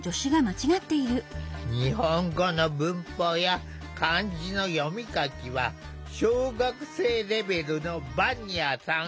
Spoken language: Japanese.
日本語の文法や漢字の読み書きは小学生レベルのヴァニアさん。